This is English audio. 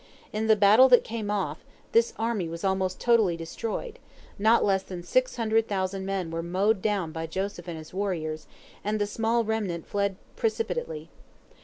In the battle that came off, this army was almost totally destroyed, not less than six hundred thousand men were mowed down by Joseph and his warriors, and the small remnant fled precipitately.